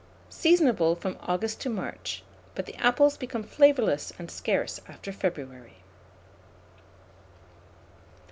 Seasonable from August to March; but the apples become flavourless and scarce after February.